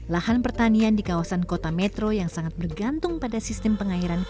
lahan pertanian di kawasan kota metro yang sangat bergantung pada sistem pengairan